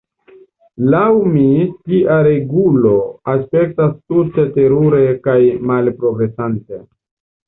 Laŭ mi tia regulo aspektas tute terure kaj malprogresigante.